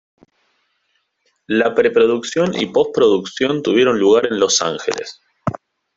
La pre-producción y post-producción tuvieron lugar en Los Ángeles.